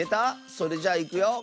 それじゃいくよ。